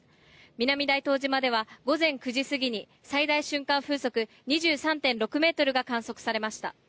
南大東島では午前９時過ぎに最大瞬間風速２３．６ｍが観測されました。